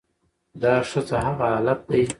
دا ښځه هغه حالت دى